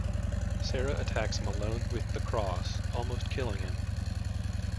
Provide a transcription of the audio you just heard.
Sarah attacks Malone with the cross, almost killing him.